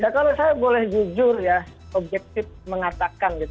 kalau saya boleh jujur ya objektif mengatakan